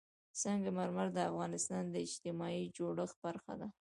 سنگ مرمر د افغانستان د اجتماعي جوړښت برخه ده.